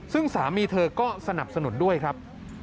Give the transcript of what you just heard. ซึ่งสามีเธอก็สนับสนุนด้วยครับ